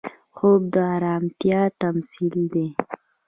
خوب د ارامتیا تمثیل دی